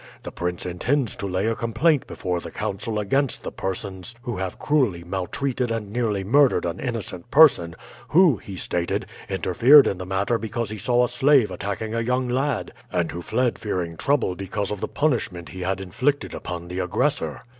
The prince intends to lay a complaint before the council against the persons who have cruelly maltreated and nearly murdered an innocent person, who, he stated, interfered in the matter because he saw a slave attacking a young lad, and who fled fearing trouble because of the punishment he had inflicted upon the aggressor.'